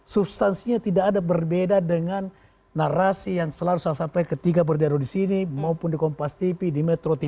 substansinya tidak ada berbeda dengan narasi yang selalu saya sampaikan ketika berdiri di sini maupun di kompas tv di metro tv